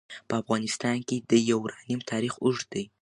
په افغانستان کې د یورانیم تاریخ اوږد دی.